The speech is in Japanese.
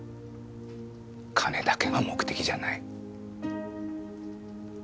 金だけが目的じゃない。